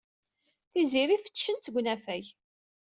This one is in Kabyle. Tiziri fettcen-tt deg unafag.